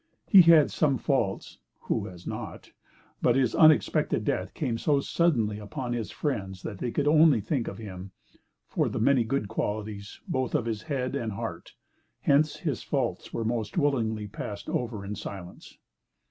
He had some faults; (who has not?) but his unexpected death came so suddenly upon his friends that they could only think of him for the many good qualities both of his head and heart. Hence, his faults were most willingly passed over in silence.